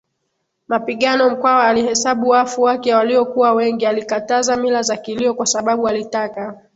mapigano Mkwawa alihesabu wafu wake waliokuwa wengi Alikataza mila za kilio kwa sababu alitaka